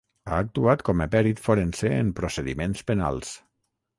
Ha actuat com a pèrit forense en procediments penals.